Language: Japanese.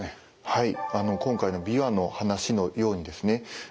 はい。